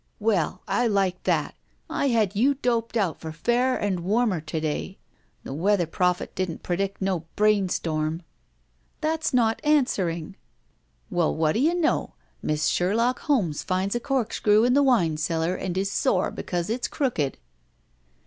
"Well, well! I like that! I had you doped out for fair and warmer to day. The weather pix>phet didn't predict no brainstorm." 117 THE VERTICAL CITY tti it' That's not answering." Well, whadda you know! Miss Sherlock Holmes finds a corkscrew in the wine cellar and is sore because it's crooked!"